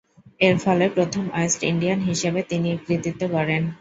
এরফলে প্রথম West Indian হিসেবে তিনি এ কৃতিত্ব গড়েন।